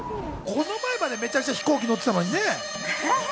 この前までめちゃくちゃ飛行機乗ってたのにね。